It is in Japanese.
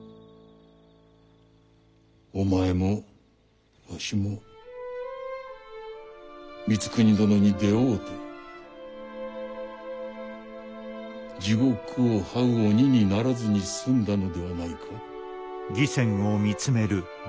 お前もわしも光圀殿に出会うて地獄をはう鬼にならずに済んだのではないか？